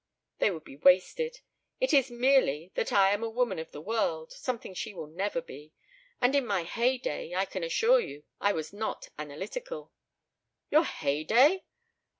"They would be wasted. It is merely that I am a woman of the world, something she will never be. And in my hey day, I can assure you, I was not analytical." "Your hey day?"